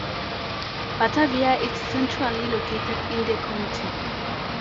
Batavia is centrally located in the county.